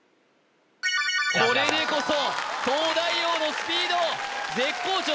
これでこそ東大王のスピード絶好調鶴崎